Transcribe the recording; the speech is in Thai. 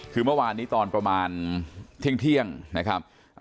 คือเมื่อวานนี้ตอนประมาณเที่ยงนะครับ